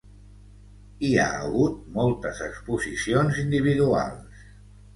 Hi ha hagut moltes exposicions individuals.